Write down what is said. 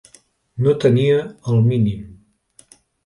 No tenia el mínim.